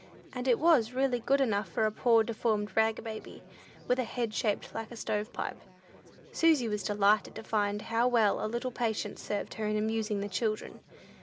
And it was really good enough for a poor deformed rag baby, with a head shaped like a stove pipe. Susy was delighted to find how well a little patience served her in amusing "the children."